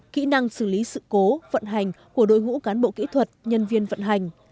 kỹ năng xử lý sự cố vận hành của đội ngũ cán bộ kỹ thuật nhân viên vận hành